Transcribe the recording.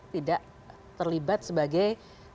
tidak terlibat sebagai